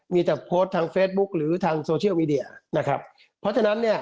มีแต่โพสข์ทางเฟซบุ๊กหรือทางโซเชียลมีเดียนะครับ